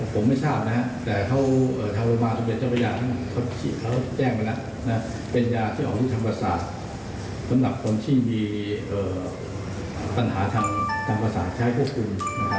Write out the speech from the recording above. ความความสงสัยให้ค้น